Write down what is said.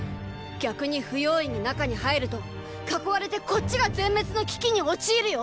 逆に不用意に中に入ると囲われてこっちが全滅の危機に陥るよ！